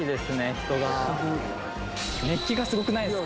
人がすごい熱気がすごくないですか？